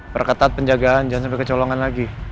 perketat penjagaan jangan sampai kecolongan lagi